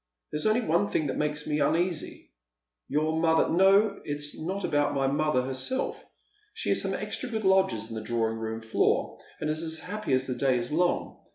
There's only one thing that makes me uneasy." " Your mother "" No, it's not about mother herself. She has some extra good lodgers in the drawing room floor, and is as happy as the day is long.